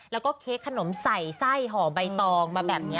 แล้วก็เค้กขนมใส่ไส้ห่อใบตองมาแบบนี้